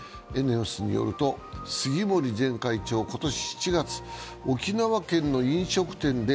ＥＮＥＯＳによると杉森前会長は今年７月、沖縄県の飲食店で